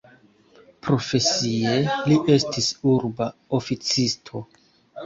Profesie li estis urba oficisto.